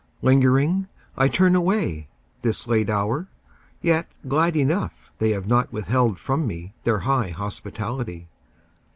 Lingeringly I turn away, This late hour, yet glad enough They have not withheld from me Their high hospitality.